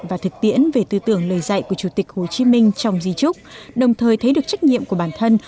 và thực tiễn về tư tưởng lời dạy của chủ tịch hồ chí minh trong di trúc đồng thời thấy được trách nhiệm của bản thân